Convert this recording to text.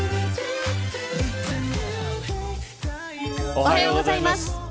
おはようございます。